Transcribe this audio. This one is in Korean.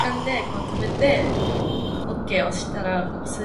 외눈만이 쌍 까풀진 그의 눈에 약간 웃음을 띠었다.